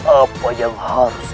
apa yang harus